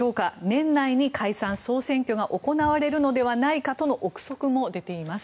年内に解散・総選挙が行われるのではないかとの憶測も出ています。